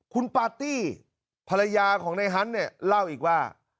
คุณปาร์ตี้ภรรยาของในฮันต์เนี่ยเล่าอีกว่า